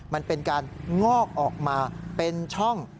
มันเป็นการงอกออกมาเป็นช่อง